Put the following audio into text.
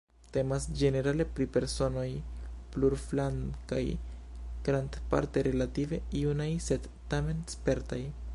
Temas ĝenerale pri personoj plurflankaj, grandparte relative junaj sed tamen spertaj.